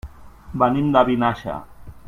Venim de Vinaixa.